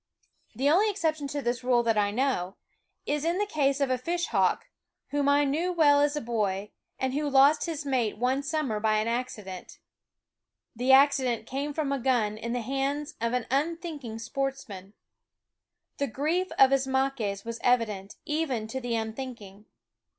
The only exception to this rule that I 9 SCHOOL OF ~ know, is in the case of a fishhawk, whom I * knew well as a boy, and who lost his mate the Fishhawk ne summer by an accident. The accident came from a gun in the hands of an unthink ing sportsman. The grief of Ismaques was evident, even to the unthinking.